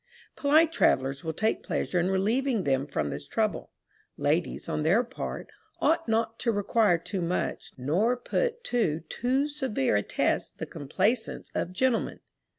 Polite travellers will take pleasure in relieving them from this trouble. Ladies, on their part, ought not to require too much, nor put to too severe a test the complaisance of gentlemen.